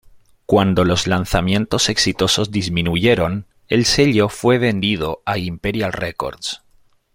Cuando los lanzamientos exitosos disminuyeron, el sello fue vendido a Imperial Records.